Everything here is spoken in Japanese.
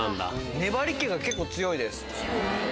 粘り気が結構強いです。